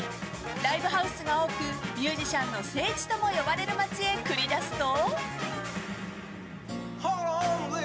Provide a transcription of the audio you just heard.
ライブハウスが多くミュージシャンの聖地とも呼ばれる街へ繰り出すと。